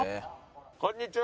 こんにちは！